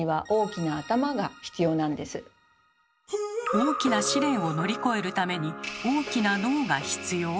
大きな試練を乗り越えるために大きな脳が必要？